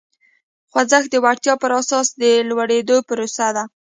خوځښت د وړتیا پر اساس د لوړېدو پروسه ده.